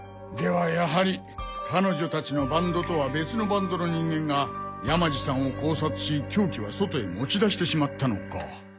ではやはり彼女たちのバンドとは別のバンドの人間が山路さんを絞殺し凶器は外へ持ち出してしまったのか。